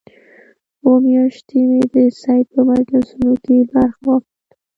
اووه میاشتې مې د سید په مجلسونو کې برخه واخیسته.